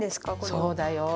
そうだよ。